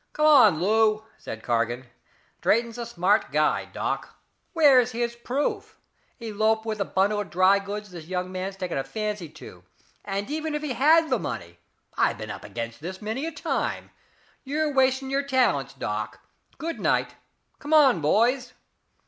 "Come on, Lou," said Cargan. "Drayton's a smart guy, Doc. Where's his proof? Eloped with the bundle of dry goods this young man's taken a fancy to. And even if he had the money I've been up against this many a time. You're wasting your talents, Doc. Good night! Come on, boys."